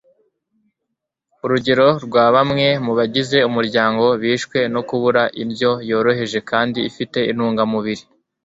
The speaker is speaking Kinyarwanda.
urugero rwa bamwe mu bagize umuryango bishwe no kubura indyo yoroheje kandi ifite intungamubiri